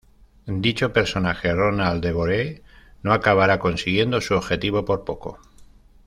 Dicho personaje, Ronald DeVore, no acabará consiguiendo su objetivo por poco.